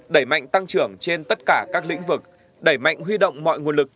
đẩy mạnh tăng trưởng trên tất cả các lĩnh vực đẩy mạnh huy động mọi nguồn lực